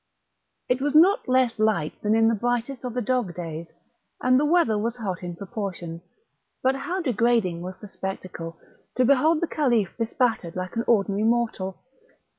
It was not less light than in the brightest of the dog days, and the weather was hot in proportion; but how degrading was the spectacle, to behold the Caliph bespattered like an ordinary mortal!